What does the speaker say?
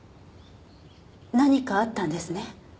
何かあったんですね？